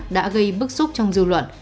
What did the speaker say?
đã gây bức xúc trong dư luận